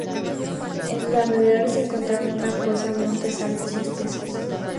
En sus alrededores se encontraban una poza, montes altos y espesos.